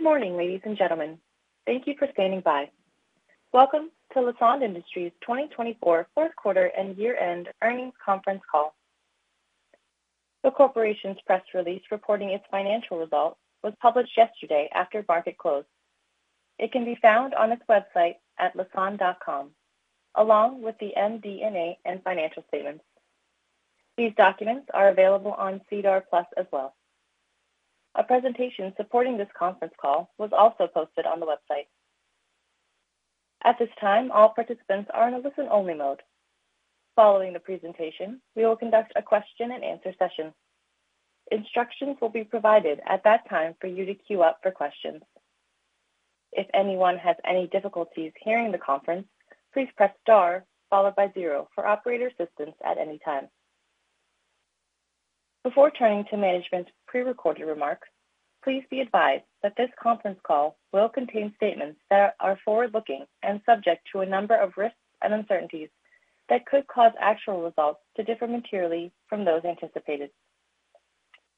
Good morning, ladies and gentlemen. Thank you for standing by. Welcome to Lassonde Industries' 2024 Fourth Quarter and Year-End Earnings Conference Call. The corporation's press release reporting its financial results was published yesterday after market close. It can be found on its website at lassonde.com, along with the MD&A and financial statements. These documents are available on SEDAR+ as well. A presentation supporting this conference call was also posted on the website. At this time, all participants are in a listen-only mode. Following the presentation, we will conduct a question-and-answer session. Instructions will be provided at that time for you to queue up for questions. If anyone has any difficulties hearing the conference, please press star, followed by zero, for operator assistance at any time. Before turning to management's prerecorded remarks, please be advised that this conference call will contain statements that are forward-looking and subject to a number of risks and uncertainties that could cause actual results to differ materially from those anticipated.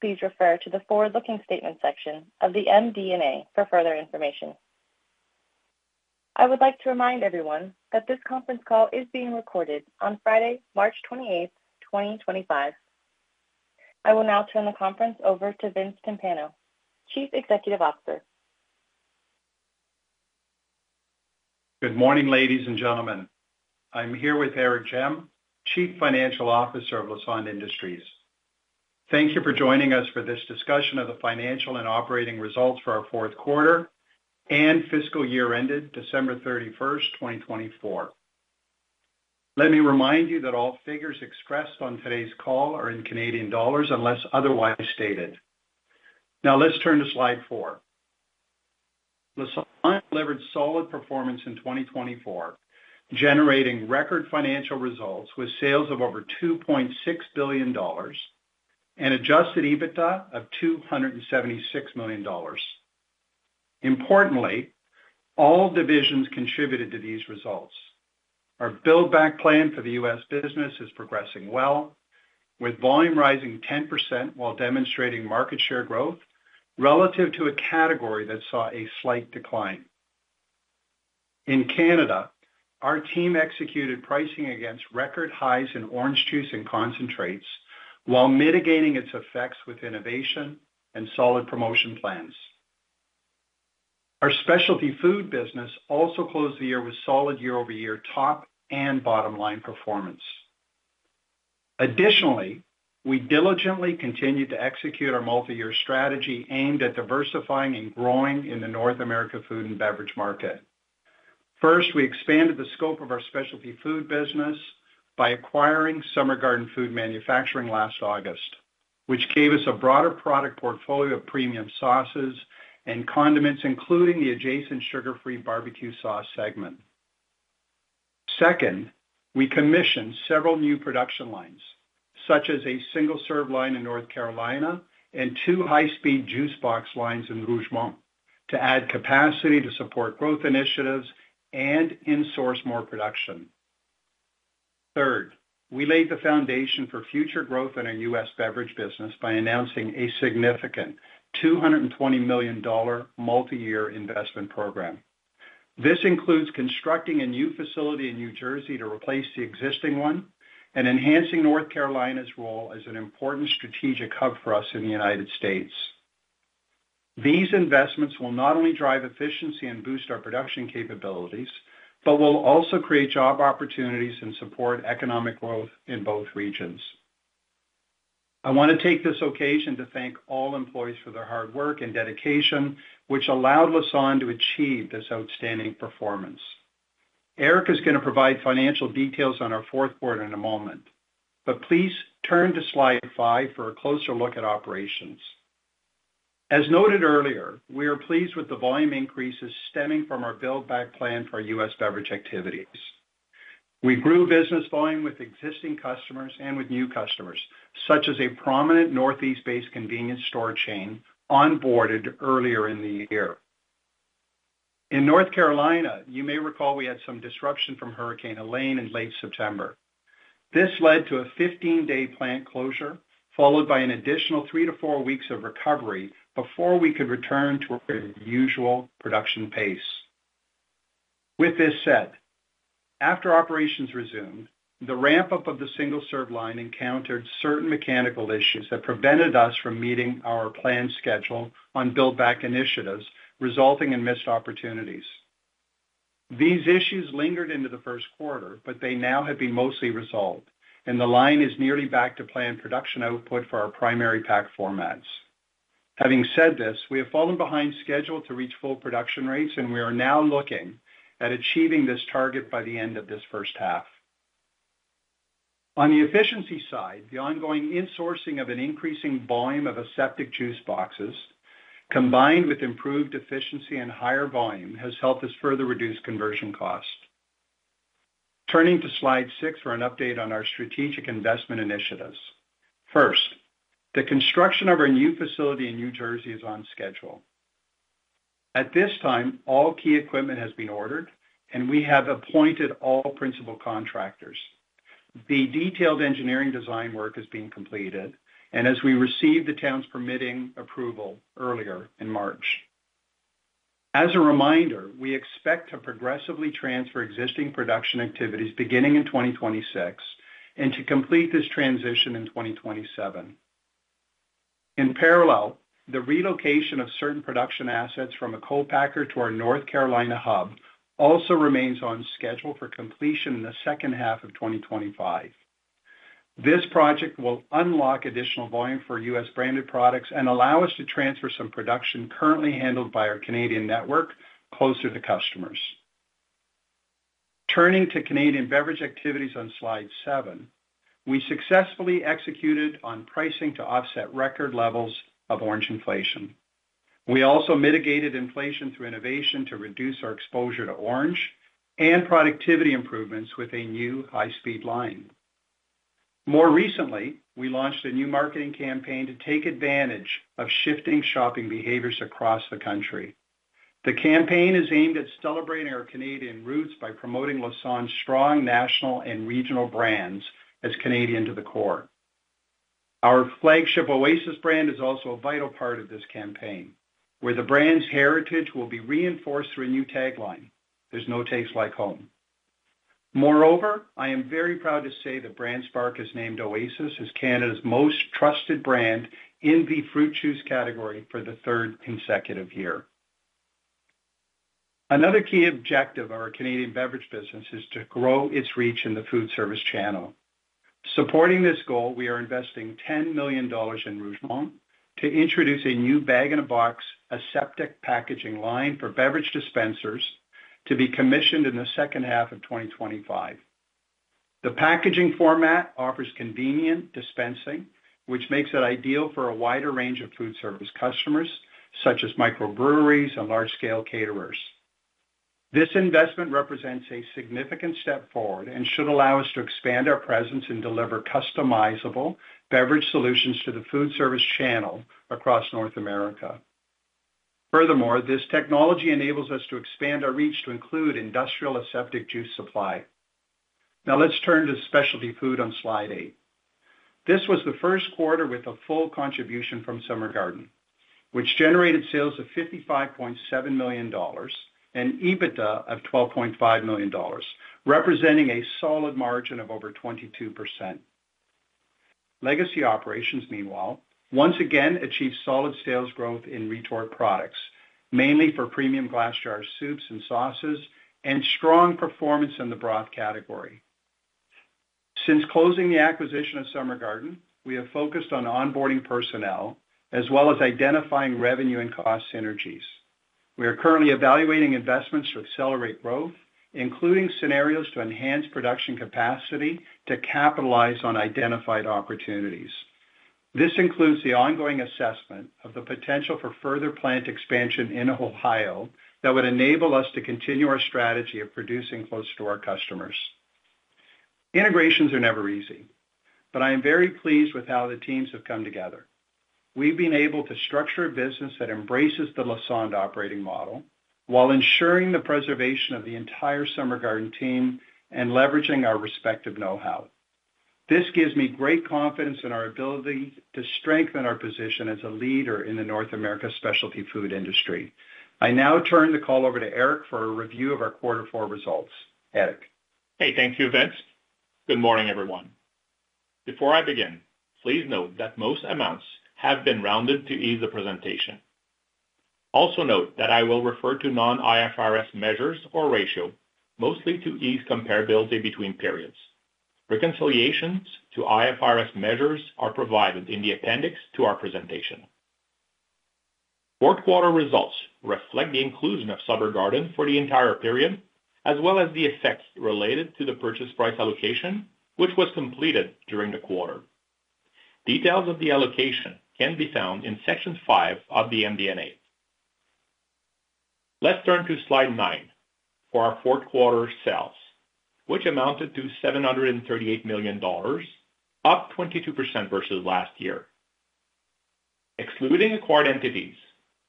Please refer to the forward-looking statements section of the MD&A for further information. I would like to remind everyone that this conference call is being recorded on Friday, March 28, 2025. I will now turn the conference over to Vince Timpano, Chief Executive Officer. Good morning, ladies and gentlemen. I'm here with Eric Gemme, Chief Financial Officer of Lassonde Industries. Thank you for joining us for this discussion of the financial and operating results for our fourth quarter and fiscal year ended December 31, 2024. Let me remind you that all figures expressed on today's call are in CAD unless otherwise stated. Now, let's turn to slide four. Lassonde delivered solid performance in 2024, generating record financial results with sales of over 2.6 billion dollars and adjusted EBITDA of 276 million dollars. Importantly, all divisions contributed to these results. Our build-back plan for the U.S. business is progressing well, with volume rising 10% while demonstrating market share growth relative to a category that saw a slight decline. In Canada, our team executed pricing against record highs in orange juice and concentrates while mitigating its effects with innovation and solid promotion plans. Our specialty food business also closed the year with solid year-over-year top and bottom-line performance. Additionally, we diligently continued to execute our multi-year strategy aimed at diversifying and growing in the North America food and beverage market. First, we expanded the scope of our specialty food business by acquiring Summer Garden Food Manufacturing last August, which gave us a broader product portfolio of premium sauces and condiments, including the adjacent sugar-free barbecue sauce segment. Second, we commissioned several new production lines, such as a single-serve line in North Carolina and two high-speed juice box lines in Rougemont, to add capacity to support growth initiatives and insource more production. Third, we laid the foundation for future growth in our U.S. beverage business by announcing a significant 220 million dollar multi-year investment program. This includes constructing a new facility in New Jersey to replace the existing one and enhancing North Carolina's role as an important strategic hub for us in the United States. These investments will not only drive efficiency and boost our production capabilities, but will also create job opportunities and support economic growth in both regions. I want to take this occasion to thank all employees for their hard work and dedication, which allowed Lassonde to achieve this outstanding performance. Eric is going to provide financial details on our fourth quarter in a moment, but please turn to slide five for a closer look at operations. As noted earlier, we are pleased with the volume increases stemming from our build-back plan for our U.S. beverage activities. We grew business volume with existing customers and with new customers, such as a prominent Northeast-based convenience store chain onboarded earlier in the year. In North Carolina, you may recall we had some disruption from Hurricane Helene in late September. This led to a 15-day plant closure, followed by an additional three to four weeks of recovery before we could return to our usual production pace. With this said, after operations resumed, the ramp-up of the single-serve line encountered certain mechanical issues that prevented us from meeting our planned schedule on build-back initiatives, resulting in missed opportunities. These issues lingered into the first quarter, but they now have been mostly resolved, and the line is nearly back to planned production output for our primary pack formats. Having said this, we have fallen behind schedule to reach full production rates, and we are now looking at achieving this target by the end of this first half. On the efficiency side, the ongoing insourcing of an increasing volume of aseptic juice boxes, combined with improved efficiency and higher volume, has helped us further reduce conversion cost. Turning to slide six for an update on our strategic investment initiatives. First, the construction of our new facility in New Jersey is on schedule. At this time, all key equipment has been ordered, and we have appointed all principal contractors. The detailed engineering design work is being completed, and as we received the town's permitting approval earlier in March. As a reminder, we expect to progressively transfer existing production activities beginning in 2026 and to complete this transition in 2027. In parallel, the relocation of certain production assets from a co-packer to our North Carolina hub also remains on schedule for completion in the second half of 2025. This project will unlock additional volume for U.S. Branded products and allow us to transfer some production currently handled by our Canadian network closer to customers. Turning to Canadian beverage activities on slide seven, we successfully executed on pricing to offset record levels of orange inflation. We also mitigated inflation through innovation to reduce our exposure to orange and productivity improvements with a new high-speed line. More recently, we launched a new marketing campaign to take advantage of shifting shopping behaviors across the country. The campaign is aimed at celebrating our Canadian roots by promoting Lassonde's strong national and regional brands as Canadian to the core. Our flagship Oasis brand is also a vital part of this campaign, where the brand's heritage will be reinforced through a new tagline, "There's no taste like home." Moreover, I am very proud to say that BrandSpark has named Oasis as Canada's most trusted brand in the fruit juice category for the third consecutive year. Another key objective of our Canadian beverage business is to grow its reach in the food service channel. Supporting this goal, we are investing 10 million dollars in Rougemont to introduce a new bag-in-a-box aseptic packaging line for beverage dispensers to be commissioned in the second half of 2025. The packaging format offers convenient dispensing, which makes it ideal for a wider range of food service customers, such as microbreweries and large-scale caterers. This investment represents a significant step forward and should allow us to expand our presence and deliver customizable beverage solutions to the food service channel across North America. Furthermore, this technology enables us to expand our reach to include industrial aseptic juice supply. Now, let's turn to specialty food on slide eight. This was the first quarter with a full contribution from Summer Garden, which generated sales of 55.7 million dollars and EBITDA of 12.5 million dollars, representing a solid margin of over 22%. Legacy operations, meanwhile, once again achieved solid sales growth in retort products, mainly for premium glass jar soups and sauces, and strong performance in the broth category. Since closing the acquisition of Summer Garden, we have focused on onboarding personnel as well as identifying revenue and cost synergies. We are currently evaluating investments to accelerate growth, including scenarios to enhance production capacity to capitalize on identified opportunities. This includes the ongoing assessment of the potential for further plant expansion in Ohio that would enable us to continue our strategy of producing close to our customers. Integrations are never easy, but I am very pleased with how the teams have come together. We've been able to structure a business that embraces the Lassonde operating model while ensuring the preservation of the entire Summer Garden team and leveraging our respective know-how. This gives me great confidence in our ability to strengthen our position as a leader in the North America specialty food industry. I now turn the call over to Eric for a review of our quarter four results. Eric. Hey, thank you, Vince. Good morning, everyone. Before I begin, please note that most amounts have been rounded to ease the presentation. Also note that I will refer to non-IFRS measures or ratio mostly to ease comparability between periods. Reconciliations to IFRS measures are provided in the appendix to our presentation. Fourth quarter results reflect the inclusion of Summer Garden for the entire period, as well as the effects related to the purchase price allocation, which was completed during the quarter. Details of the allocation can be found in section five of the MD&A. Let's turn to slide nine for our fourth quarter sales, which amounted to 738 million dollars, up 22% versus last year. Excluding acquired entities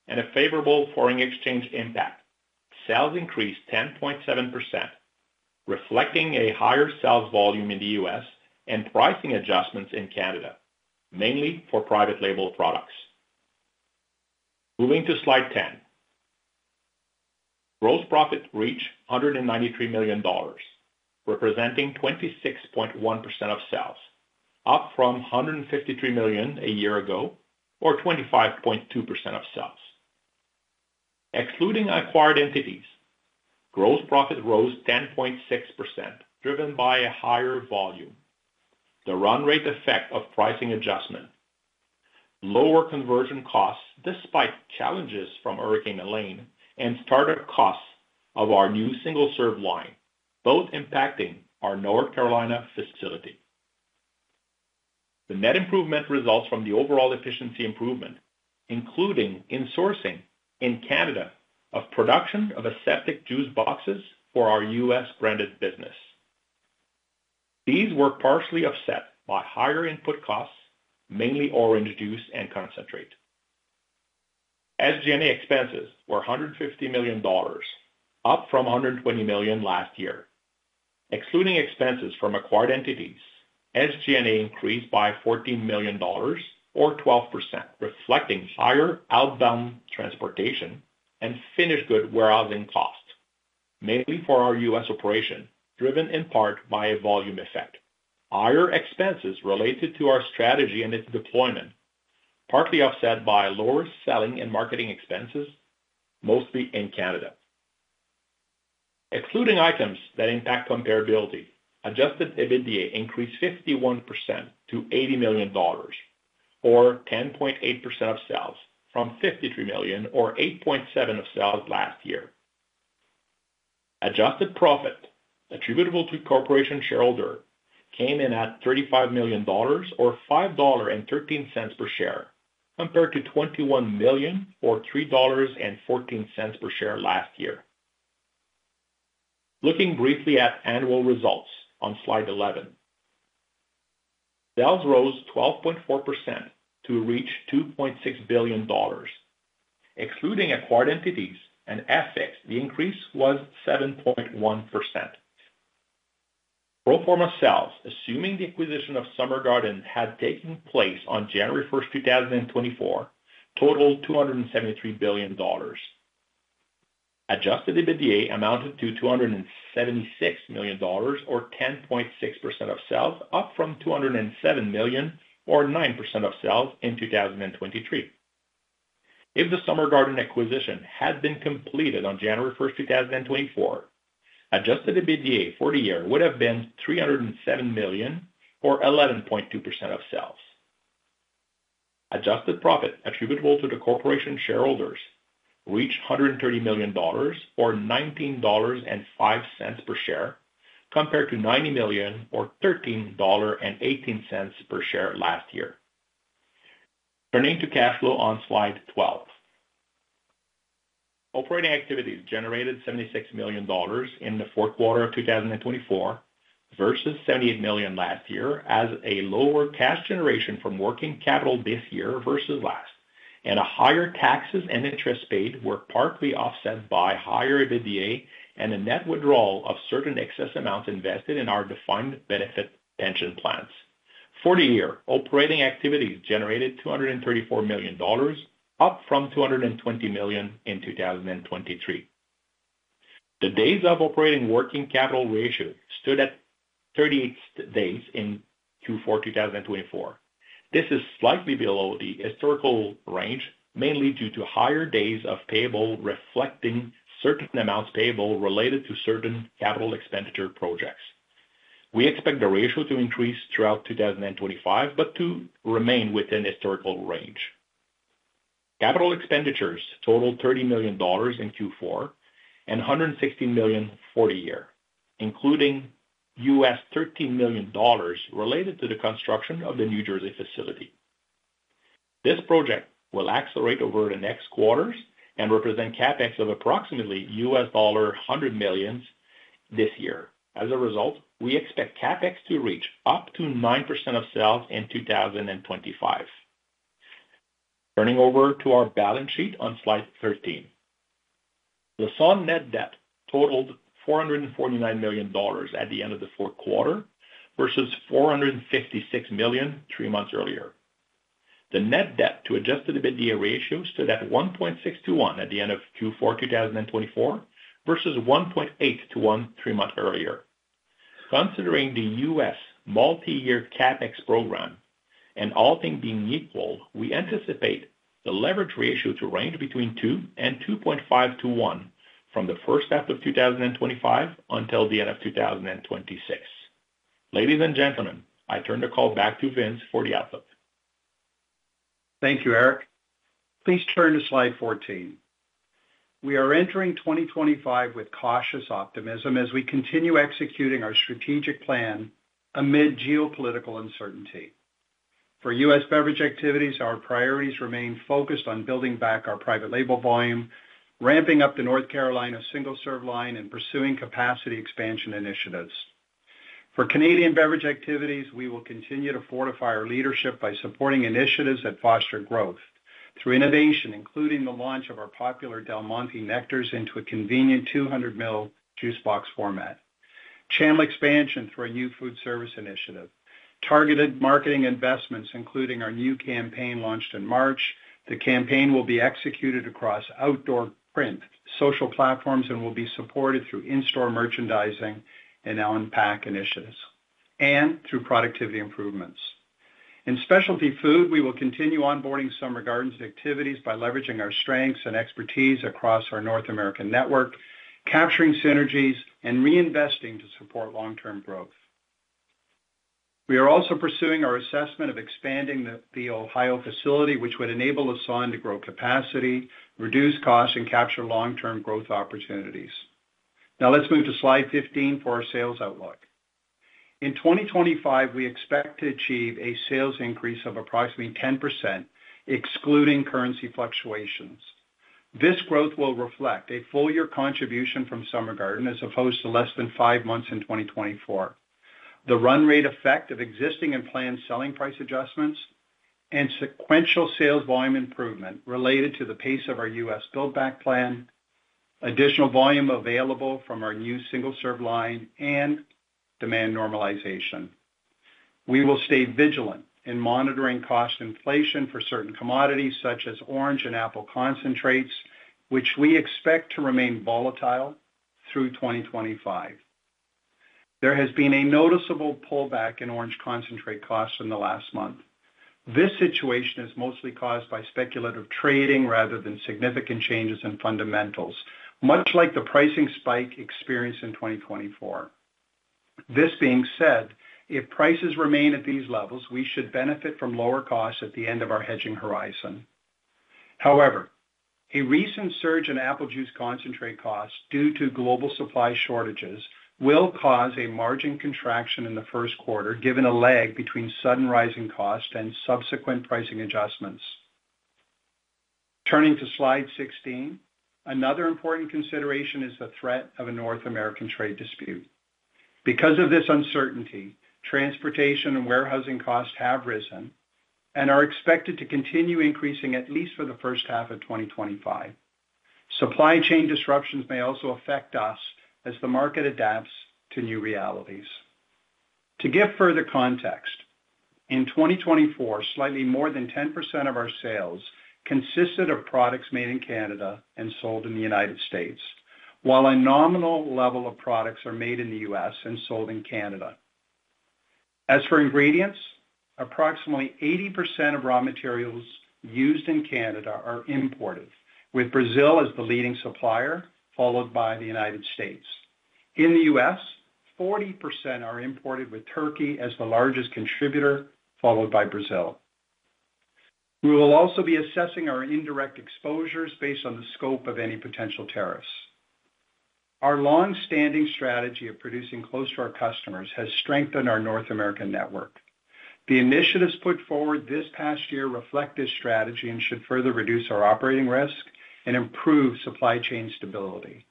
and a favorable foreign exchange impact, sales increased 10.7%, reflecting a higher sales volume in the U.S. and pricing adjustments in Canada, mainly for private label products. Moving to slide ten, gross profit reached 193 million dollars, representing 26.1% of sales, up from 153 million a year ago, or 25.2% of sales. Excluding acquired entities, gross profit rose 10.6%, driven by a higher volume, the run rate effect of pricing adjustment, lower conversion costs despite challenges from Hurricane Elaine, and startup costs of our new single-serve line, both impacting our North Carolina facility. The net improvement results from the overall efficiency improvement, including insourcing in Canada of production of aseptic juice boxes for our U.S. branded business. These were partially offset by higher input costs, mainly orange juice and concentrate. SG&A expenses were 150 million dollars, up from 120 million last year. Excluding expenses from acquired entities, SG&A increased by 14 million dollars, or 12%, reflecting higher outbound transportation and finished good warehousing costs, mainly for our U.S. operation, driven in part by a volume effect. Higher expenses related to our strategy and its deployment, partly offset by lower selling and marketing expenses, mostly in Canada. Excluding items that impact comparability, Adjusted EBITDA increased 51% to 80 million dollars, or 10.8% of sales, from 53 million, or 8.7% of sales last year. Adjusted profit attributable to corporation shareholder came in at 35 million dollars, or 5.13 dollar per share, compared to 21 million, or 3.14 dollars per share last year. Looking briefly at annual results on slide 11, sales rose 12.4% to reach 2.6 billion dollars. Excluding acquired entities and FX, the increase was 7.1%. Pro forma sales, assuming the acquisition of Summer Garden had taken place on January 1, 2024, totaled CAD 2.73 billion. Adjusted EBITDA amounted to CAD 276 million, or 10.6% of sales, up from CAD 207 million, or 9% of sales in 2023. If the Summer Garden acquisition had been completed on January 1, 2024, Adjusted EBITDA for the year would have been 307 million, or 11.2% of sales. Adjusted profit attributable to the corporation shareholders reached 130 million dollars, or 19.05 dollars per share, compared to 90 million, or 13.18 dollar per share last year. Turning to cash flow on slide 12, operating activities generated 76 million dollars in the fourth quarter of 2024 versus 78 million last year, as a lower cash generation from working capital this year versus last, and higher taxes and interest paid were partly offset by higher EBITDA and a net withdrawal of certain excess amounts invested in our defined benefit pension plans. For the year, operating activities generated 234 million dollars, up from 220 million in 2023. The days of operating working capital ratio stood at 38 days in Q4 2024. This is slightly below the historical range, mainly due to higher days of payable reflecting certain amounts payable related to certain capital expenditure projects. We expect the ratio to increase throughout 2025, but to remain within historical range. Capital expenditures totaled 30 million dollars in Q4 and 116 million for the year, including $13 million related to the construction of the New Jersey facility. This project will accelerate over the next quarters and represent CapEx of approximately $100 million this year. As a result, we expect CapEx to reach up to 9% of sales in 2025. Turning over to our balance sheet on slide 13, Lassonde net debt totaled 449 million dollars at the end of the fourth quarter versus 456 million three months earlier. The net debt to Adjusted EBITDA ratio stood at 1.6-1 at the end of Q4 2024 versus 1.8-1 three months earlier. Considering the U.S. multi-year CapEx program and all things being equal, we anticipate the leverage ratio to range between 2-2.5 from the first half of 2025 until the end of 2026. Ladies and gentlemen, I turn the call back to Vince for the outlook. Thank you, Eric. Please turn to slide 14. We are entering 2025 with cautious optimism as we continue executing our strategic plan amid geopolitical uncertainty. For U.S. beverage activities, our priorities remain focused on building back our private label volume, ramping up the North Carolina single-serve line, and pursuing capacity expansion initiatives. For Canadian beverage activities, we will continue to fortify our leadership by supporting initiatives that foster growth through innovation, including the launch of our popular Del Monte nectars into a convenient 200-ml juice box format, channel expansion through a new food service initiative, targeted marketing investments, including our new campaign launched in March. The campaign will be executed across outdoor, print, social platforms and will be supported through in-store merchandising and on-pack initiatives and through productivity improvements. In specialty food, we will continue onboarding Summer Garden's activities by leveraging our strengths and expertise across our North American network, capturing synergies, and reinvesting to support long-term growth. We are also pursuing our assessment of expanding the Ohio facility, which would enable Lassonde to grow capacity, reduce costs, and capture long-term growth opportunities. Now, let's move to slide 15 for our sales outlook. In 2025, we expect to achieve a sales increase of approximately 10%, excluding currency fluctuations. This growth will reflect a full-year contribution from Summer Garden as opposed to less than five months in 2024, the run rate effect of existing and planned selling price adjustments, and sequential sales volume improvement related to the pace of our U.S. build-back plan, additional volume available from our new single-serve line, and demand normalization. We will stay vigilant in monitoring cost inflation for certain commodities, such as orange and apple concentrates, which we expect to remain volatile through 2025. There has been a noticeable pullback in orange concentrate costs in the last month. This situation is mostly caused by speculative trading rather than significant changes in fundamentals, much like the pricing spike experienced in 2024. This being said, if prices remain at these levels, we should benefit from lower costs at the end of our hedging horizon. However, a recent surge in apple juice concentrate costs due to global supply shortages will cause a margin contraction in the first quarter, given a lag between sudden rising costs and subsequent pricing adjustments. Turning to slide 16, another important consideration is the threat of a North American trade dispute. Because of this uncertainty, transportation and warehousing costs have risen and are expected to continue increasing at least for the first half of 2025. Supply chain disruptions may also affect us as the market adapts to new realities. To give further context, in 2024, slightly more than 10% of our sales consisted of products made in Canada and sold in the United States, while a nominal level of products are made in the U.S. and sold in Canada. As for ingredients, approximately 80% of raw materials used in Canada are imported, with Brazil as the leading supplier, followed by the United States. In the U.S., 40% are imported, with Turkey as the largest contributor, followed by Brazil. We will also be assessing our indirect exposures based on the scope of any potential tariffs. Our long-standing strategy of producing close to our customers has strengthened our North American network. The initiatives put forward this past year reflect this strategy and should further reduce our operating risk and improve supply chain stability.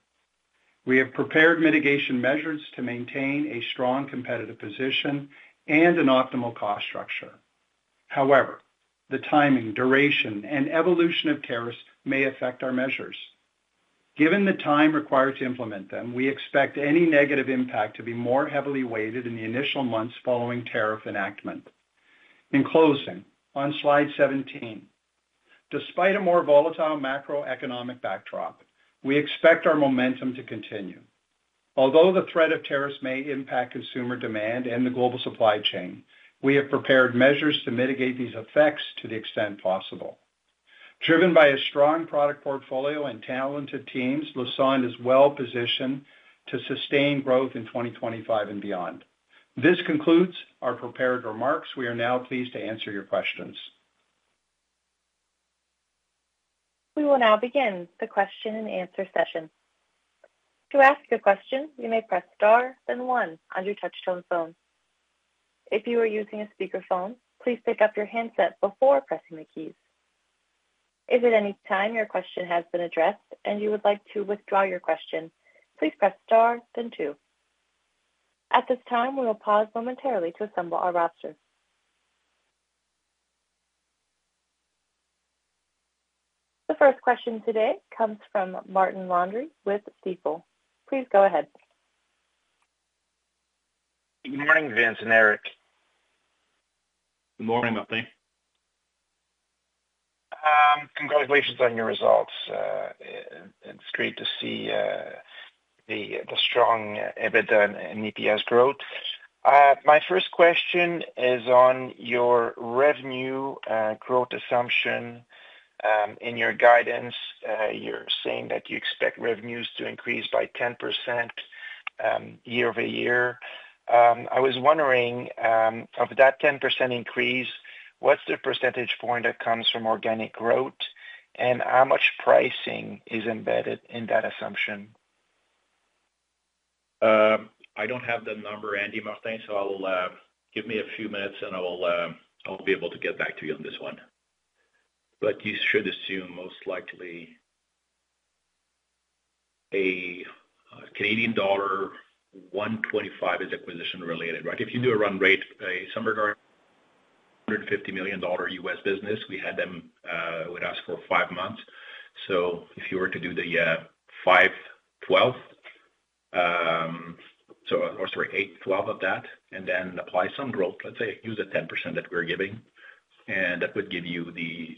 We have prepared mitigation measures to maintain a strong competitive position and an optimal cost structure. However, the timing, duration, and evolution of tariffs may affect our measures. Given the time required to implement them, we expect any negative impact to be more heavily weighted in the initial months following tariff enactment. In closing, on slide 17, despite a more volatile macroeconomic backdrop, we expect our momentum to continue. Although the threat of tariffs may impact consumer demand and the global supply chain, we have prepared measures to mitigate these effects to the extent possible. Driven by a strong product portfolio and talented teams, Lassonde is well positioned to sustain growth in 2025 and beyond. This concludes our prepared remarks. We are now pleased to answer your questions. We will now begin the question and answer session. To ask a question, you may press star, then one on your touch-tone phone. If you are using a speakerphone, please pick up your handset before pressing the keys. If at any time your question has been addressed and you would like to withdraw your question, please press star, then two. At this time, we will pause momentarily to assemble our roster. The first question today comes from Martin Landry with Stifel. Please go ahead. Good morning, Vincent. Eric. Good morning, Landry. Congratulations on your results. It's great to see the strong EBITDA and EPS growth. My first question is on your revenue growth assumption in your guidance. You're saying that you expect revenues to increase by 10% year over year. I was wondering, of that 10% increase, what's the percentage point that comes from organic growth, and how much pricing is embedded in that assumption? I don't have the number, at hand, Martins, so give me a few minutes and I'll be able to get back to you on this one. You should assume most likely Canadian dollar 125 is acquisition-related, right? If you do a run rate, a Summer Garden $150 million U.S. business, we had them with us for five months. If you were to do the 5/12, or sorry, 8/12 of that, and then apply some growth, let's say use the 10% that we're giving, that would give you the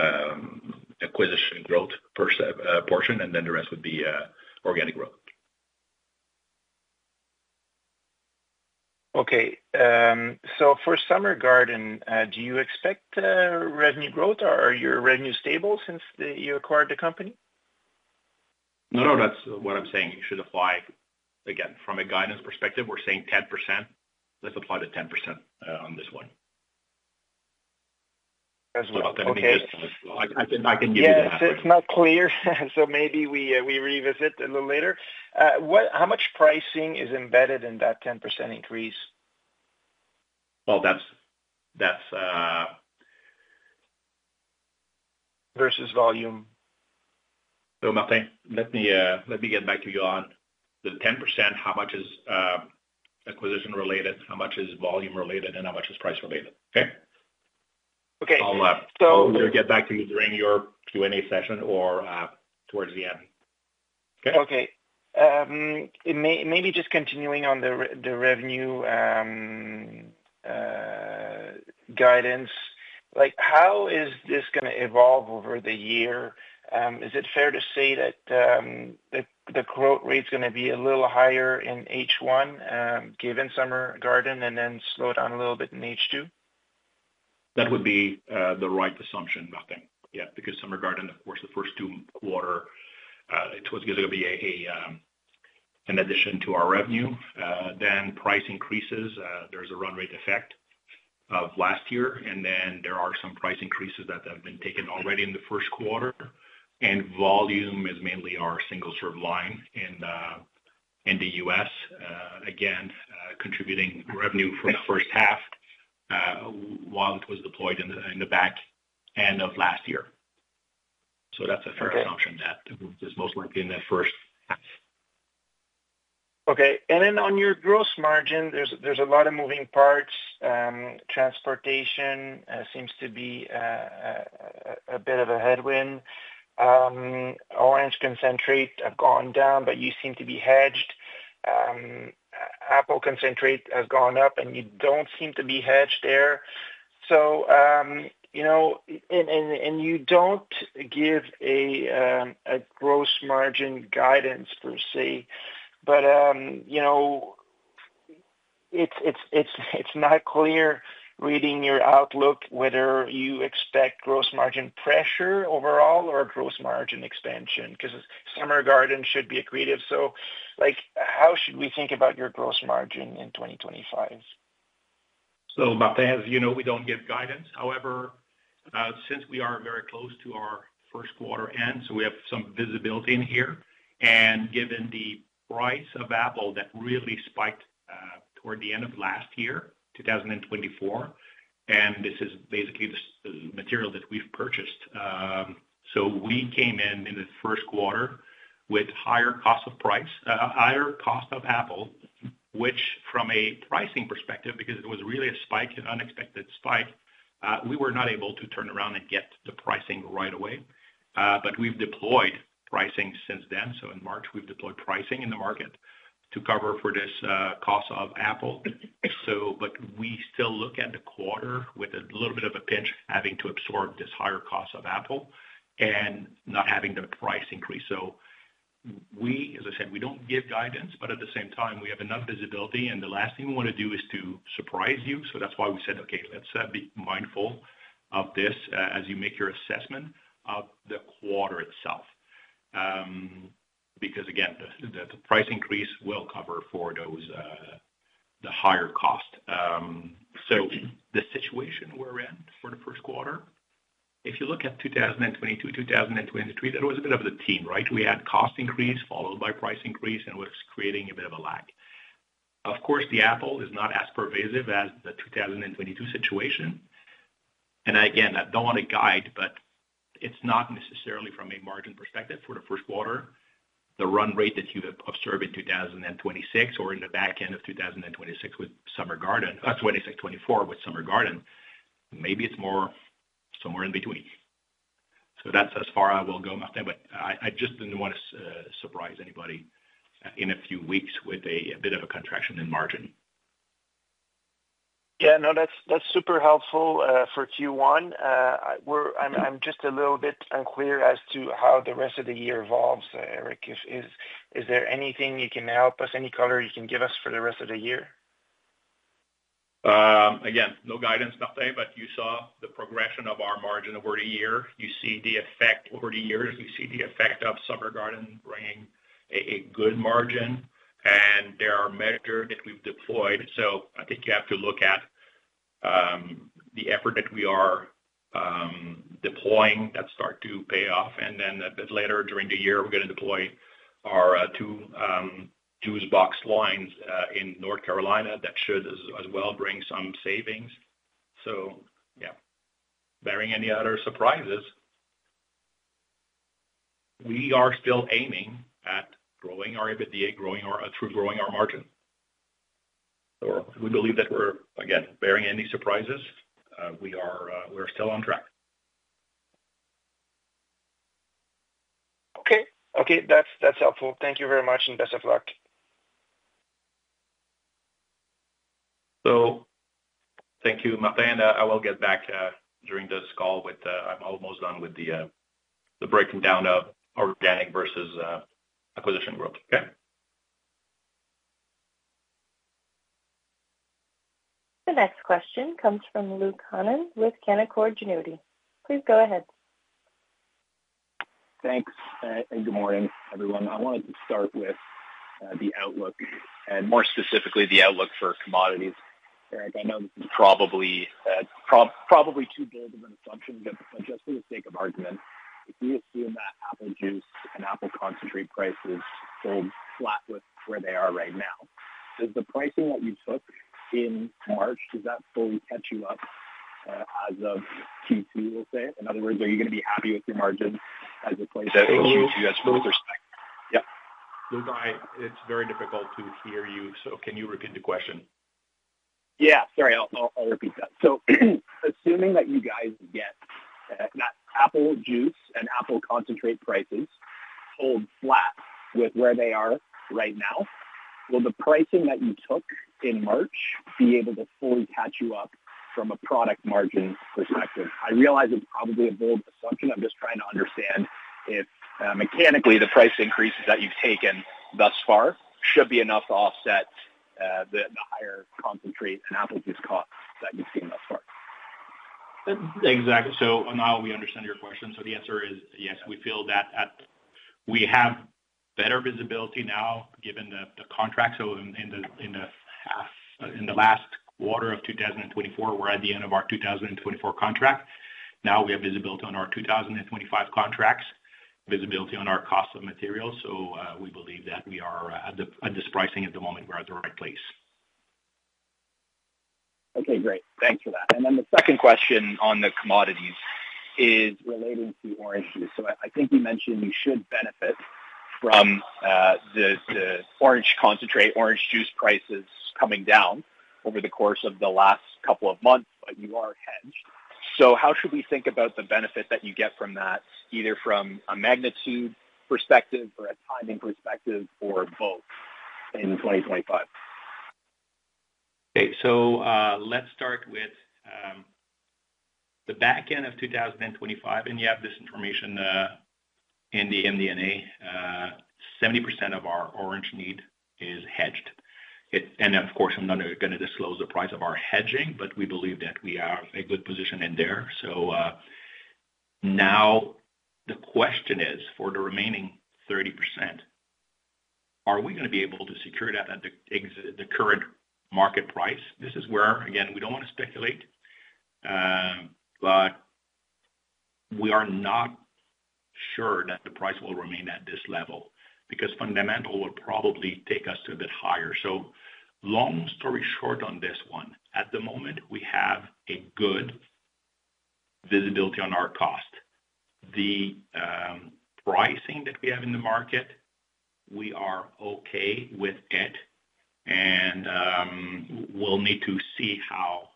acquisition growth portion, and then the rest would be organic growth. Okay. For Summer Garden, do you expect revenue growth? Are your revenues stable since you acquired the company? No, no. That's what I'm saying. You should apply, again, from a guidance perspective, we're saying 10%. Let's apply the 10% on this one. As well. About the revenue, I can give you the answer. It's not clear, so maybe we revisit a little later. How much pricing is embedded in that 10% increase? Well, that's. Versus volume. Martin, let me get back to you on the 10%. How much is acquisition-related? How much is volume-related, and how much is price-related? Okay? Okay. I'll either get back to you during your Q&A session or towards the end. Okay? Okay. Maybe just continuing on the revenue guidance, how is this going to evolve over the year? Is it fair to say that the growth rate is going to be a little higher in H1, given Summer Garden, and then slow down a little bit in H2? That would be the right assumption, Martin, yeah, because Summer Garden, of course, the first two quarters, it was going to be an addition to our revenue. Then price increases. There is a run rate effect of last year, and there are some price increases that have been taken already in the first quarter. Volume is mainly our single-serve line in the U.S., again, contributing revenue for the first half while it was deployed in the back end of last year. That is a fair assumption that it is most likely in that first half. Okay. On your gross margin, there are a lot of moving parts. Transportation seems to be a bit of a headwind. Orange concentrate has gone down, but you seem to be hedged. Apple concentrate has gone up, and you do not seem to be hedged there. You do not give a gross margin guidance per se, but it is not clear reading your outlook whether you expect gross margin pressure overall or gross margin expansion because Summer Garden should be accretive. How should we think about your gross margin in 2025? Martin, as you know, we don't give guidance. However, since we are very close to our first quarter end, we have some visibility in here. Given the price of apple that really spiked toward the end of last year, 2024, and this is basically the material that we've purchased. We came in in the first quarter with higher cost of price, higher cost of apple, which from a pricing perspective, because it was really a spike, an unexpected spike, we were not able to turn around and get the pricing right away. We've deployed pricing since then. In March, we've deployed pricing in the market to cover for this cost of apple. We still look at the quarter with a little bit of a pinch having to absorb this higher cost of apple and not having the price increase. As I said, we don't give guidance, but at the same time, we have enough visibility, and the last thing we want to do is to surprise you. That's why we said, "Okay, let's be mindful of this as you make your assessment of the quarter itself," because, again, the price increase will cover for those higher costs. The situation we're in for the first quarter, if you look at 2022, 2023, that was a bit of a theme, right? We had cost increase followed by price increase, and it was creating a bit of a lag. Of course, the apple is not as pervasive as the 2022 situation. Again, I don't want to guide, but it's not necessarily from a margin perspective for the first quarter. The run rate that you have observed in 2026 or in the back end of 2026 with Summer Garden, 2026, 2024 with Summer Garden, maybe it's more somewhere in between. That is as far as I will go, Martin, but I just did not want to surprise anybody in a few weeks with a bit of a contraction in margin. Yeah. No, that's super helpful for Q1. I'm just a little bit unclear as to how the rest of the year evolves. Eric, is there anything you can help us, any color you can give us for the rest of the year? Again, no guidance, nothing. You saw the progression of our margin over the year. You see the effect over the years. We see the effect of Summer Garden bringing a good margin, and there are measures that we've deployed. I think you have to look at the effort that we are deploying that start to pay off. A bit later during the year, we're going to deploy our two juice box lines in North Carolina that should as well bring some savings. Yeah, bearing any other surprises, we are still aiming at growing our EBITDA, through growing our margin. We believe that we're, again, bearing any surprises. We are still on track. Okay. Okay. That's helpful. Thank you very much and best of luck. Thank you, Martin. I will get back during this call with I'm almost done with the breaking down of organic versus acquisition growth. Okay? The next question comes from Luke Hannan with Canaccord Genuity. Please go ahead. Thanks. Good morning, everyone. I wanted to start with the outlook and more specifically the outlook for commodities. Eric, I know this is probably too bold of an assumption, but just for the sake of argument, if you assume that apple juice and apple concentrate prices hold flat with where they are right now, does the pricing that you took in March, does that fully catch you up as of Q2, we'll say? In other words, are you going to be happy with your margins as it plays into Q2? That's Q2, yes. Fully respect. Yep. Luke, it's very difficult to hear you, so can you repeat the question? Yeah. Sorry, I'll repeat that. Assuming that you guys get that apple juice and apple concentrate prices hold flat with where they are right now, will the pricing that you took in March be able to fully catch you up from a product margin perspective? I realize it's probably a bold assumption. I'm just trying to understand if mechanically the price increases that you've taken thus far should be enough to offset the higher concentrate and apple juice costs that you've seen thus far. Exactly. Now we understand your question. The answer is yes. We feel that we have better visibility now given the contract. In the last quarter of 2024, we are at the end of our 2024 contract. Now we have visibility on our 2025 contracts, visibility on our cost of materials. We believe that at this pricing at the moment, we are at the right place. Okay. Great. Thanks for that. The second question on the commodities is relating to orange juice. I think you mentioned you should benefit from the orange concentrate, orange juice prices coming down over the course of the last couple of months, but you are hedged. How should we think about the benefit that you get from that, either from a magnitude perspective or a timing perspective or both in 2025? Okay. Let's start with the back end of 2025, and you have this information in the MD&A. 70% of our orange need is hedged. Of course, I'm not going to disclose the price of our hedging, but we believe that we are in a good position in there. The question is, for the remaining 30%, are we going to be able to secure that at the current market price? This is where, again, we do not want to speculate, but we are not sure that the price will remain at this level because fundamental will probably take us a bit higher. Long story short on this one, at the moment, we have good visibility on our cost. The pricing that we have in the market, we are okay with it. We will need to see how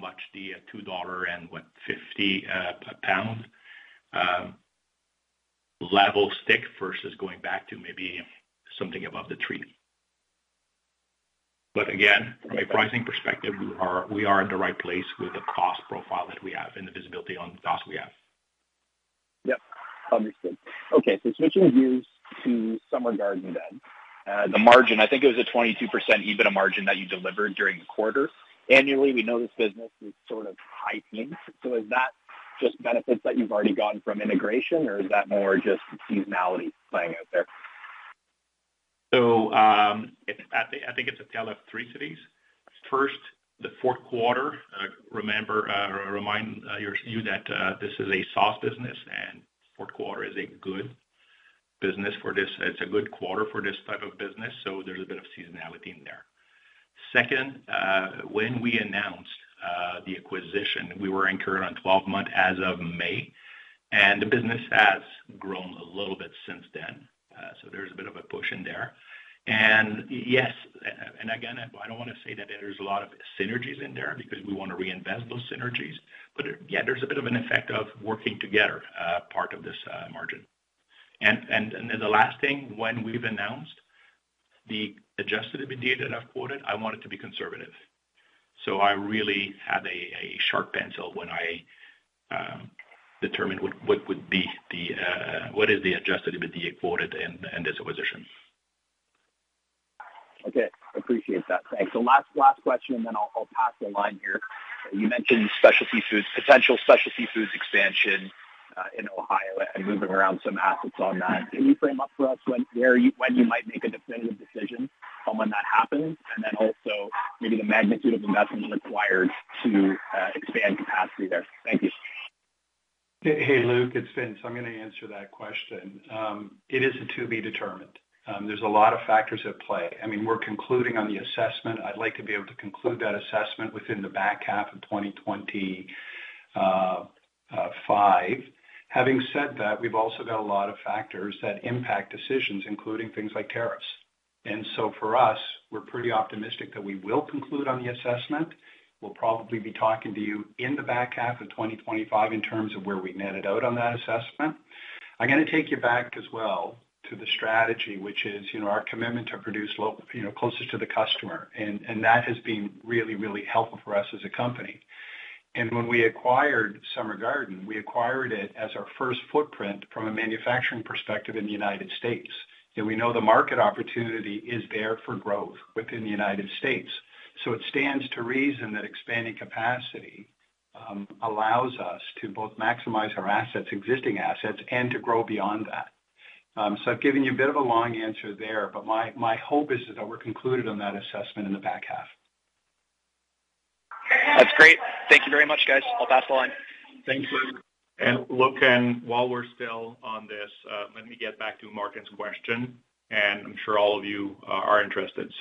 much the $2 and, what, 50 pound level stick versus going back to maybe something above the three. Again, from a pricing perspective, we are in the right place with the cost profile that we have and the visibility on the cost we have. Yep. Understood. Okay. Switching gears to Summer Garden then, the margin, I think it was a 22% EBITDA margin that you delivered during the quarter. Annually, we know this business is sort of high teens. Is that just benefits that you've already gotten from integration, or is that more just seasonality playing out there? I think it's a tale of three cities. First, the fourth quarter, remind you that this is a sauce business, and fourth quarter is a good business for this. It's a good quarter for this type of business, so there's a bit of seasonality in there. Second, when we announced the acquisition, we were anchored on 12-month as of May, and the business has grown a little bit since then. There's a bit of a push in there. Yes, and again, I don't want to say that there's a lot of synergies in there because we want to reinvest those synergies. Yeah, there's a bit of an effect of working together part of this margin. The last thing, when we've announced the Adjusted EBITDA that I've quoted, I want it to be conservative. I really have a sharp pencil when I determine what would be the what is the adjusted EBITDA quoted in this acquisition. Okay. Appreciate that. Thanks. Last question, and then I'll pass the line here. You mentioned potential specialty foods expansion in Ohio and moving around some assets on that. Can you frame up for us when you might make a definitive decision on when that happens, and then also maybe the magnitude of investment required to expand capacity there? Thank you. Hey, Luke, it's Vince. I'm going to answer that question. It isn't to be determined. There's a lot of factors at play. I mean, we're concluding on the assessment. I'd like to be able to conclude that assessment within the back half of 2025. Having said that, we've also got a lot of factors that impact decisions, including things like tariffs. For us, we're pretty optimistic that we will conclude on the assessment. We'll probably be talking to you in the back half of 2025 in terms of where we netted out on that assessment. I'm going to take you back as well to the strategy, which is our commitment to produce closer to the customer. That has been really, really helpful for us as a company. When we acquired Summer Garden, we acquired it as our first footprint from a manufacturing perspective in the U.S. We know the market opportunity is there for growth within the U.S. It stands to reason that expanding capacity allows us to both maximize our existing assets and to grow beyond that. I have given you a bit of a long answer there, but my hope is that we are concluded on that assessment in the back half. That's great. Thank you very much, guys. I'll pass the line. Thank you. Luke, while we're still on this, let me get back to Martin's question, and I'm sure all of you are interested.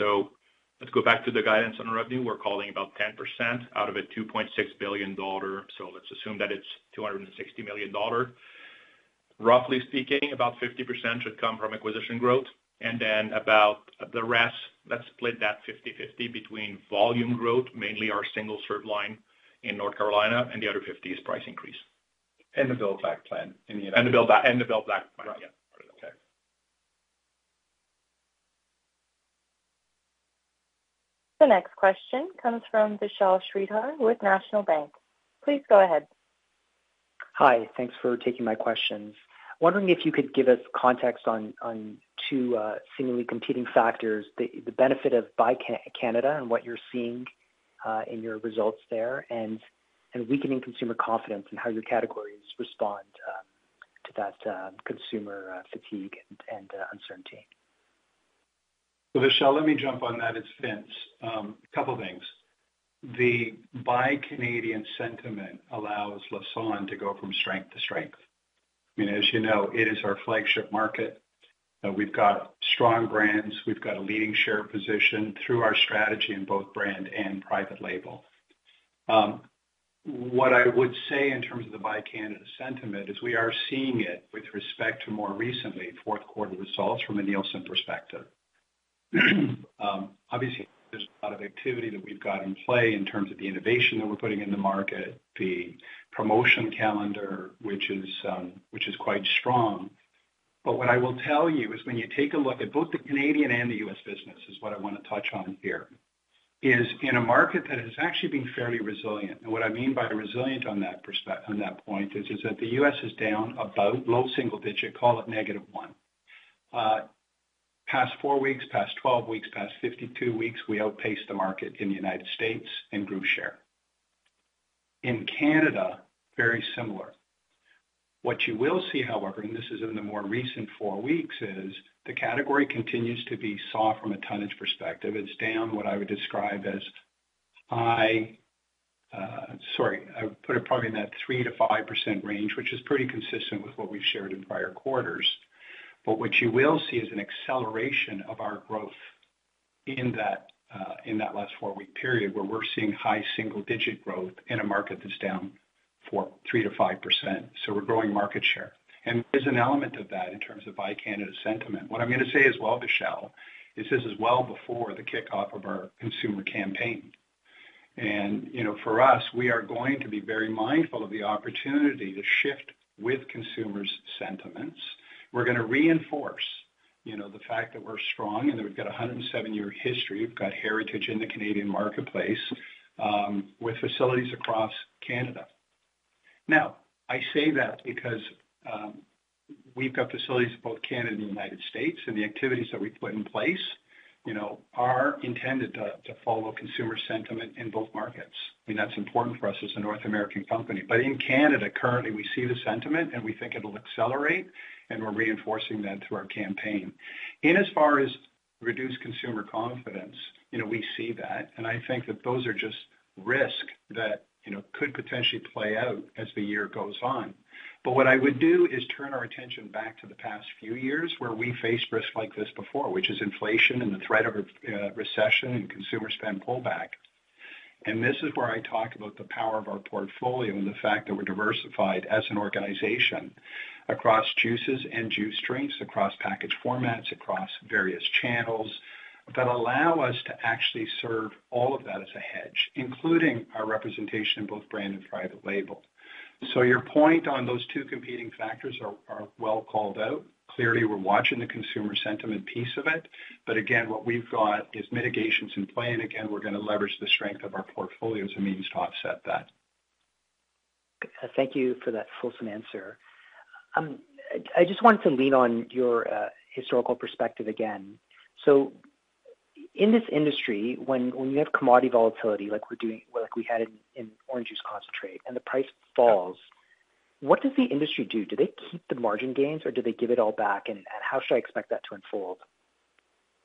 Let's go back to the guidance on revenue. We're calling about 10% out of a 2.6 billion. Let's assume that it's 260 million dollar. Roughly speaking, about 50% should come from acquisition growth. About the rest, let's split that 50/50 between volume growth, mainly our single-serve line in North Carolina, and the other 50 is price increase. The build-back plan in the end. The build-back plan. Right. Yeah. Okay. The next question comes from Vishal Shreedhar with National Bank. Please go ahead. Hi. Thanks for taking my questions. Wondering if you could give us context on two seemingly competing factors, the benefit of Buy Canada and what you're seeing in your results there, and weakening consumer confidence and how your categories respond to that consumer fatigue and uncertainty. Vishal, let me jump on that. It's Vince. A couple of things. The Buy Canadian sentiment allows Lassonde to go from strength to strength. I mean, as you know, it is our flagship market. We've got strong brands. We've got a leading share position through our strategy in both brand and private label. What I would say in terms of the Buy Canadian sentiment is we are seeing it with respect to more recently fourth-quarter results from a Nielsen perspective. Obviously, there's a lot of activity that we've got in play in terms of the innovation that we're putting in the market, the promotion calendar, which is quite strong. What I will tell you is when you take a look at both the Canadian and the U.S. business, what I want to touch on here is in a market that has actually been fairly resilient. What I mean by resilient on that point is that the U.S. is down about low single digit, call it negative one. Past four weeks, past 12 weeks, past 52 weeks, we outpaced the market in the United States in group share. In Canada, very similar. What you will see, however, and this is in the more recent four weeks, is the category continues to be soft from a tonnage perspective. It is down what I would describe as high. Sorry. I put it probably in that 3-5% range, which is pretty consistent with what we have shared in prior quarters. What you will see is an acceleration of our growth in that last four-week period where we are seeing high single-digit growth in a market that is down 3-5%. We are growing market share. There is an element of that in terms of Buy Canada sentiment. What I am going to say as well, Vishal, is this is well before the kickoff of our consumer campaign. For us, we are going to be very mindful of the opportunity to shift with consumers' sentiments. We are going to reinforce the fact that we are strong and that we have a 107-year history. We have heritage in the Canadian marketplace with facilities across Canada. I say that because we have facilities in both Canada and the United States, and the activities that we put in place are intended to follow consumer sentiment in both markets. I mean, that is important for us as a North American company. In Canada, currently, we see the sentiment, and we think it will accelerate, and we are reinforcing that through our campaign. In as far as reduced consumer confidence, we see that. I think that those are just risks that could potentially play out as the year goes on. What I would do is turn our attention back to the past few years where we faced risks like this before, which is inflation and the threat of a recession and consumer spend pullback. This is where I talk about the power of our portfolio and the fact that we're diversified as an organization across juices and juice drinks, across package formats, across various channels that allow us to actually serve all of that as a hedge, including our representation in both brand and private label. Your point on those two competing factors are well called out. Clearly, we're watching the consumer sentiment piece of it. What we've got is mitigations in play, and again, we're going to leverage the strength of our portfolios and means to offset that. Thank you for that fulsome answer. I just wanted to lean on your historical perspective again. In this industry, when you have commodity volatility like we had in orange juice concentrate and the price falls, what does the industry do? Do they keep the margin gains, or do they give it all back? How should I expect that to unfold?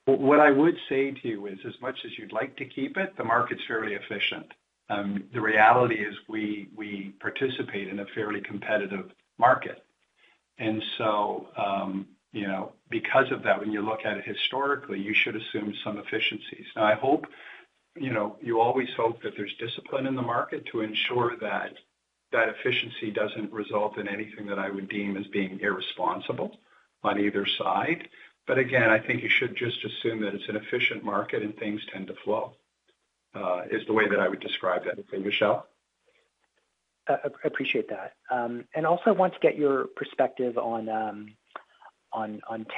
What I would say to you is, as much as you'd like to keep it, the market's fairly efficient. The reality is we participate in a fairly competitive market. Because of that, when you look at it historically, you should assume some efficiencies. I hope, you always hope that there's discipline in the market to ensure that that efficiency doesn't result in anything that I would deem as being irresponsible on either side. Again, I think you should just assume that it's an efficient market and things tend to flow is the way that I would describe that. Okay, Vishal? I appreciate that. I want to get your perspective on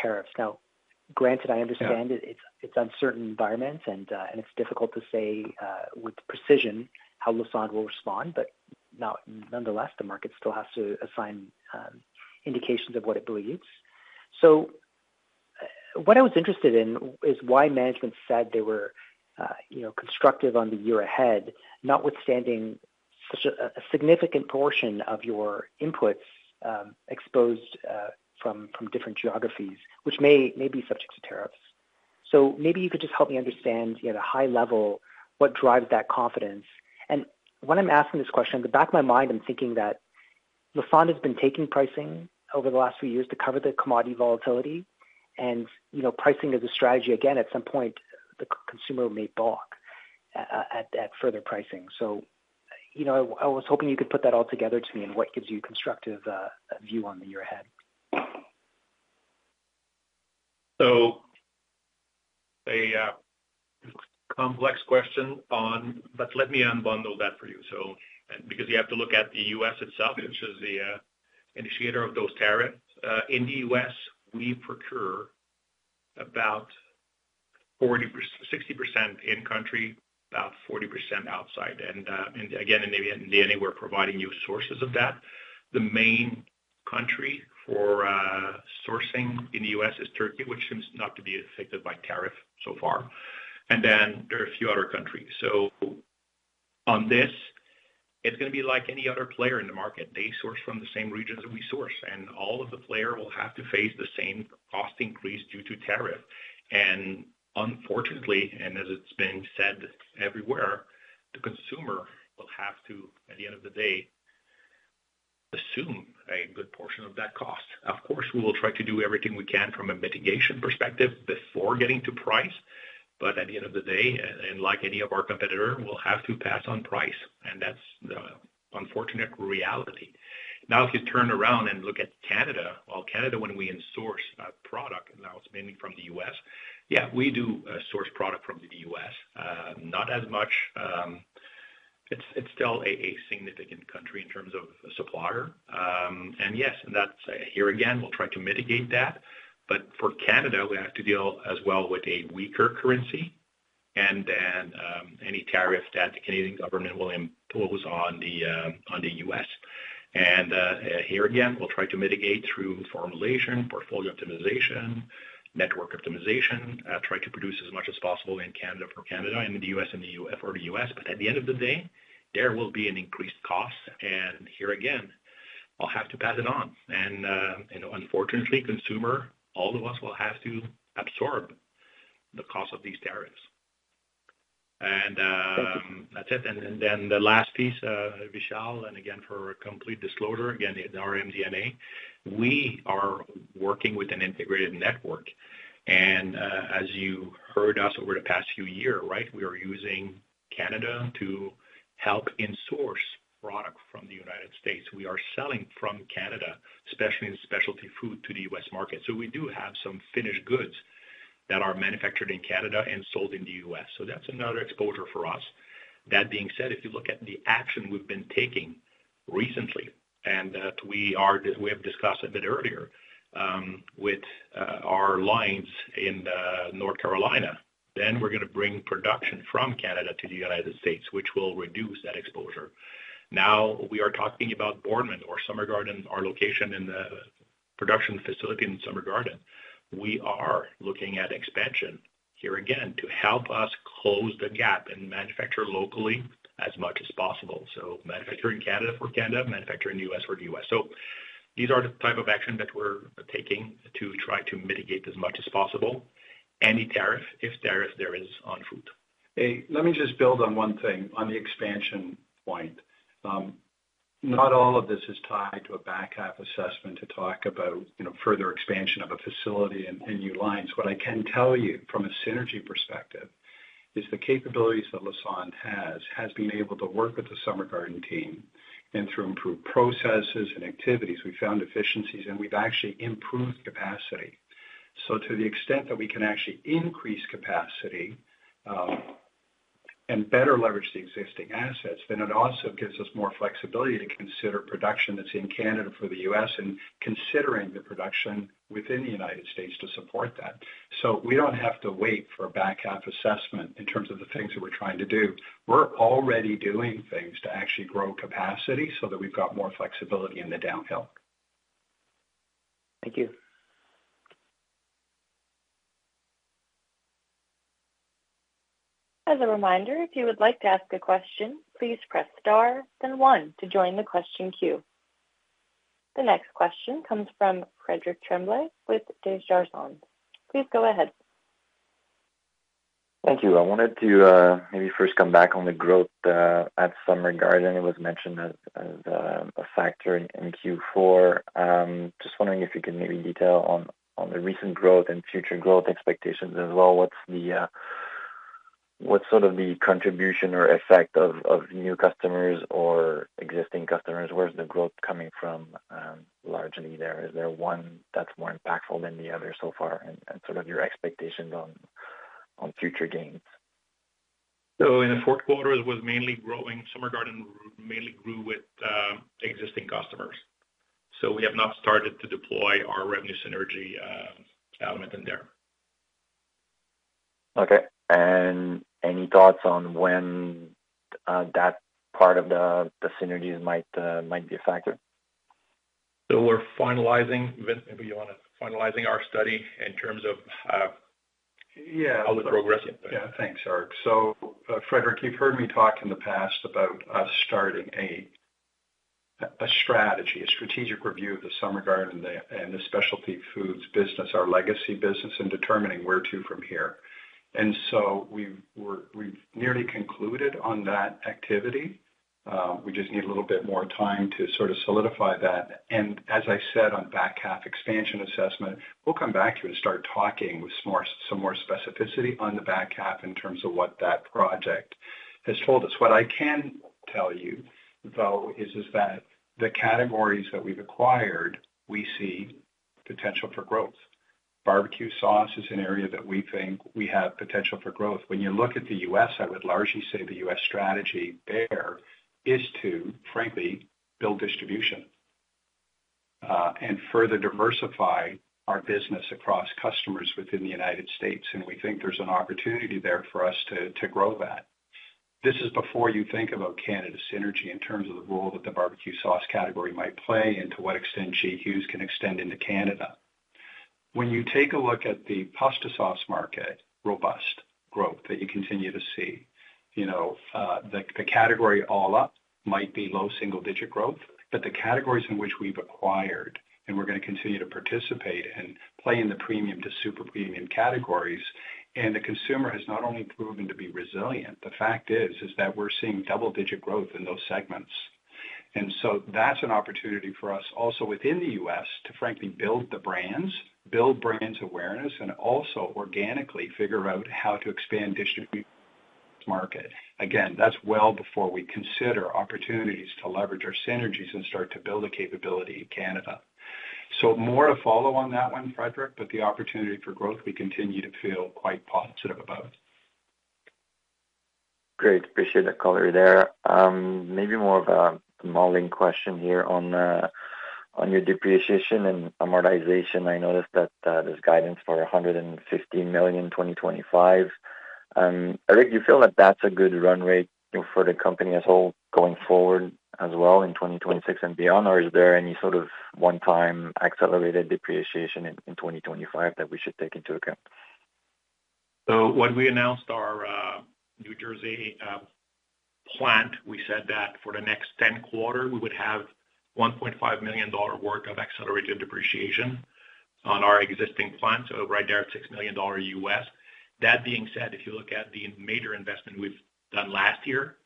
tariffs. Granted, I understand it's uncertain environments, and it's difficult to say with precision how Lassonde will respond, but nonetheless, the market still has to assign indications of what it believes. What I was interested in is why management said they were constructive on the year ahead, notwithstanding such a significant portion of your inputs exposed from different geographies, which may be subject to tariffs. Maybe you could just help me understand at a high level what drives that confidence. When I'm asking this question, in the back of my mind, I'm thinking that Lassonde has been taking pricing over the last few years to cover the commodity volatility. Pricing is a strategy. Again, at some point, the consumer may balk at further pricing. I was hoping you could put that all together to me and what gives you a constructive view on the year ahead. A complex question, but let me unbundle that for you. You have to look at the U.S. itself, which is the initiator of those tariffs. In the U.S., we procure about 60% in-country, about 40% outside. Again, in the end, we're providing you sources of that. The main country for sourcing in the U.S. is Turkey, which seems not to be affected by tariff so far. There are a few other countries. On this, it's going to be like any other player in the market. They source from the same regions that we source, and all of the players will have to face the same cost increase due to tariff. Unfortunately, as it's been said everywhere, the consumer will have to, at the end of the day, assume a good portion of that cost. Of course, we will try to do everything we can from a mitigation perspective before getting to price. At the end of the day, like any of our competitors, we'll have to pass on price. That's the unfortunate reality. If you turn around and look at Canada, Canada, when we source product, now it's mainly from the U.S. Yeah, we do source product from the U.S. Not as much. It's still a significant country in terms of a supplier. Yes, and that's here again, we'll try to mitigate that. For Canada, we have to deal as well with a weaker currency and then any tariff that the Canadian government will impose on the U.S. Here again, we'll try to mitigate through formulation, portfolio optimization, network optimization, try to produce as much as possible in Canada for Canada and the U.S. or the U.S. At the end of the day, there will be an increased cost. Here again, I'll have to pass it on. Unfortunately, consumer, all of us will have to absorb the cost of these tariffs. That's it. The last piece, Vishal, and again, for complete disclosure, in our MD&A, we are working with an integrated network. As you heard us over the past few years, we are using Canada to help in-source product from the United States. We are selling from Canada, especially in specialty food, to the U.S. market. We do have some finished goods that are manufactured in Canada and sold in the U.S. That is another exposure for us. That being said, if you look at the action we have been taking recently and that we have discussed a bit earlier with our lines in North Carolina, we are going to bring production from Canada to the United States, which will reduce that exposure. Now, we are talking about Boardman or Summer Garden, our location in the production facility in Summer Garden. We are looking at expansion here again to help us close the gap and manufacture locally as much as possible. Manufacturing Canada for Canada, manufacturing U.S. for the U.S. These are the type of action that we are taking to try to mitigate as much as possible any tariff, if there is, on food. Hey, let me just build on one thing on the expansion point. Not all of this is tied to a back half assessment to talk about further expansion of a facility and new lines. What I can tell you from a synergy perspective is the capabilities that Lassonde has been able to work with the Summer Garden team. And through improved processes and activities, we found efficiencies, and we've actually improved capacity. To the extent that we can actually increase capacity and better leverage the existing assets, it also gives us more flexibility to consider production that's in Canada for the U.S. and considering the production within the United States to support that. We do not have to wait for a back half assessment in terms of the things that we're trying to do. We're already doing things to actually grow capacity so that we've got more flexibility in the downhill. Thank you. As a reminder, if you would like to ask a question, please press star, then one to join the question queue. The next question comes from Frederic A. Tremblay with Desjardins Securities. Please go ahead. Thank you. I wanted to maybe first come back on the growth at Summer Garden. It was mentioned as a factor in Q4. Just wondering if you could maybe detail on the recent growth and future growth expectations as well. What sort of the contribution or effect of new customers or existing customers? Where's the growth coming from largely there? Is there one that's more impactful than the other so far? And sort of your expectations on future gains. In the fourth quarter, it was mainly growing. Summer Garden mainly grew with existing customers. We have not started to deploy our revenue synergy element in there. Okay. Any thoughts on when that part of the synergies might be a factor? We're finalizing. Vince, maybe you want to finalize our study in terms of how we're progressing. Yeah. Thanks, Arc. Frederick, you've heard me talk in the past about us starting a strategy, a strategic review of the Summer Garden and the specialty foods business, our legacy business, and determining where to from here. We've nearly concluded on that activity. We just need a little bit more time to sort of solidify that. As I said on back half expansion assessment, we'll come back to you and start talking with some more specificity on the back half in terms of what that project has told us. What I can tell you, though, is that the categories that we've acquired, we see potential for growth. Barbecue sauce is an area that we think we have potential for growth. When you look at the U.S., I would largely say the U.S. strategy there is to, frankly, build distribution and further diversify our business across customers within the United States. We think there is an opportunity there for us to grow that. This is before you think about Canada synergy in terms of the role that the barbecue sauce category might play and to what extent G. Hughes can extend into Canada. When you take a look at the pasta sauce market, robust growth that you continue to see, the category all up might be low single-digit growth, but the categories in which we have acquired and we are going to continue to participate and play in the premium to super-premium categories. The consumer has not only proven to be resilient. The fact is that we are seeing double-digit growth in those segments. That is an opportunity for us also within the U.S. to, frankly, build the brands, build brand awareness, and also organically figure out how to expand distribution market. Again, that is well before we consider opportunities to leverage our synergies and start to build a capability in Canada. More to follow on that one, Frederick, but the opportunity for growth, we continue to feel quite positive about. Great. Appreciate that color there. Maybe more of a modeling question here on your depreciation and amortization. I noticed that there's guidance for 150 million 2025. Eric, do you feel that that's a good run rate for the company as a whole going forward as well in 2026 and beyond? Or is there any sort of one-time accelerated depreciation in 2025 that we should take into account? When we announced our New Jersey plant, we said that for the next 10 quarters, we would have $1.5 million worth of accelerated depreciation on our existing plant. Right there, $6 million US. That being said, if you look at the major investment we've done last year,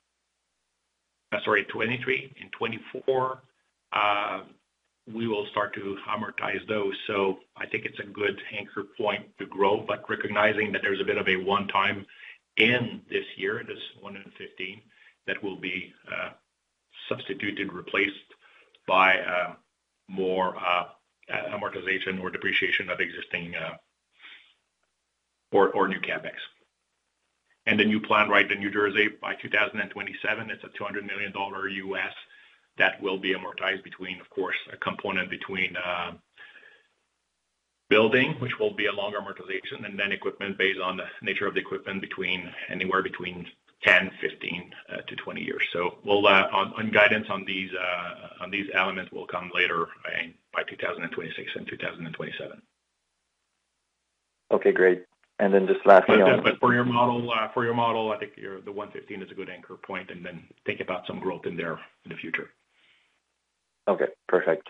sorry, 2023, in 2024, we will start to amortize those. I think it's a good anchor point to grow, but recognizing that there's a bit of a one-time end this year, this 115, that will be substituted, replaced by more amortization or depreciation of existing or new cabinets. The new plant right in New Jersey by 2027, it's a $200 million US that will be amortized between, of course, a component between building, which will be a longer amortization, and then equipment based on the nature of the equipment anywhere between 10-15 to 20 years. Guidance on these elements will come later by 2026 and 2027. Okay. Great. And then just lastly. For your model, I think the 115 is a good anchor point and then think about some growth in there in the future. Okay. Perfect.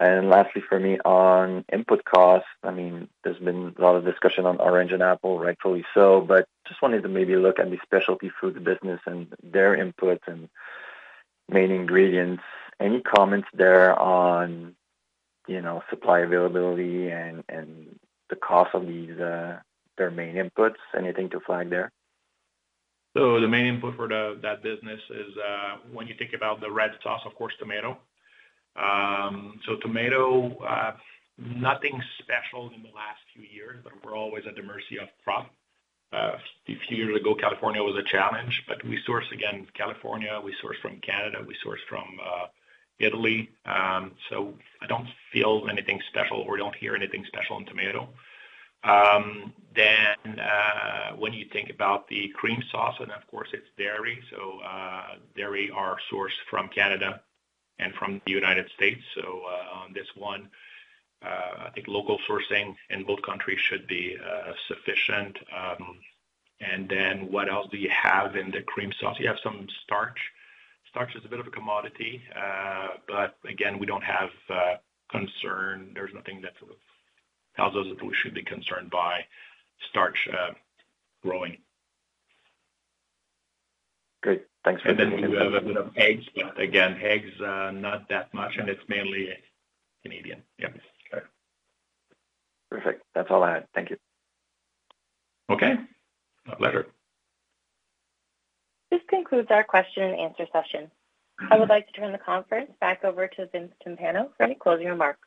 Lastly, for me, on input costs, I mean, there's been a lot of discussion on orange and apple, rightfully so, but just wanted to maybe look at the specialty food business and their inputs and main ingredients. Any comments there on supply availability and the cost of their main inputs? Anything to flag there? The main input for that business is when you think about the red sauce, of course, tomato. Tomato, nothing special in the last few years, but we're always at the mercy of crop. A few years ago, California was a challenge, but we sourced again California. We sourced from Canada. We sourced from Italy. I don't feel anything special or don't hear anything special in tomato. When you think about the cream sauce, and of course, it's dairy. Dairy are sourced from Canada and from the United States. On this one, I think local sourcing in both countries should be sufficient. What else do you have in the cream sauce? You have some starch. Starch is a bit of a commodity, but again, we don't have concern. There's nothing that sort of tells us that we should be concerned by starch growing. Great. Thanks for that. We have a bit of eggs, but again, eggs, not that much, and it's mainly Canadian. Yep. Perfect. That's all I had. Thank you. Okay. My pleasure. This concludes our question and answer session. I would like to turn the conference back over to Vince Timpano for any closing remarks.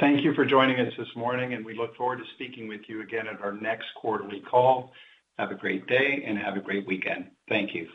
Thank you for joining us this morning, and we look forward to speaking with you again at our next quarterly call. Have a great day and have a great weekend. Thank you.